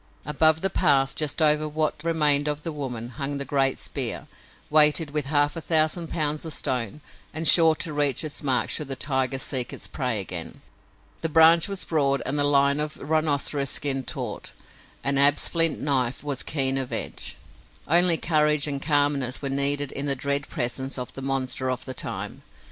Above the path, just over what remained of the woman, hung the great spear, weighted with half a thousand pounds of stone and sure to reach its mark should the tiger seek its prey again. The branch was broad and the line of rhinoceros skin taut, and Ab's flint knife was keen of edge. Only courage and calmness were needed in the dread presence of the monster of the time.